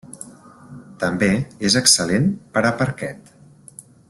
També és excel·lent per a parquet.